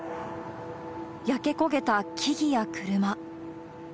焼け焦げた木々や車。